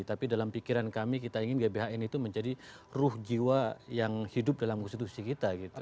tapi dalam pikiran kami kita ingin gbhn itu menjadi ruh jiwa yang hidup dalam konstitusi kita